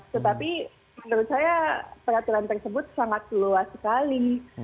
tetapi menurut saya peraturan tersebut sangat luas sekali